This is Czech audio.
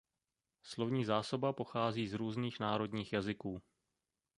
Slovní zásoba pochází z různých národních jazyků.